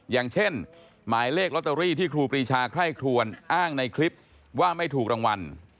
อย่างเช่นหมายเลขลอตเตอรี่ที่ครูปรีชาไคร่ครวนอ้างในคลิปว่าไม่ถูกรางวัล